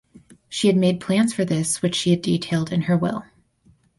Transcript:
She had made plans for this which she had detailed in her will.